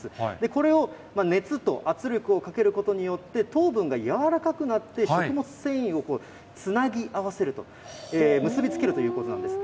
これを熱と圧力をかけることによって、糖分が柔らかくなって食物繊維をつなぎ合わせると、結び付けるということなんです。